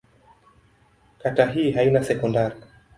Kata hii haina sekondari.